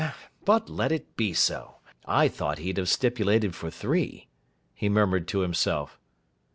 But let it be so. I thought he'd have stipulated for three,' he murmured to himself.